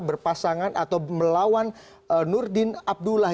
berpasangan atau melawan nurdin abdullah